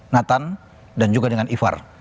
nathan dan juga dengan ivar